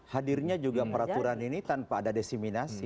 hadirnya juga peraturan ini tanpa ada desiminasi